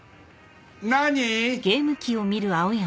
何？